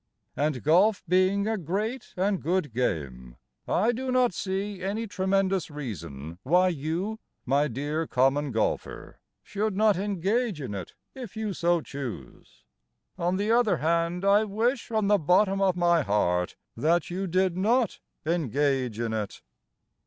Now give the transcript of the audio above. And golf being a great and good game I do not see any tremendous reason Why you, my dear Common Golfer, Should not engage in it if you so choose. On the other hand, I wish from the bottom of my heart That you did not engage in it.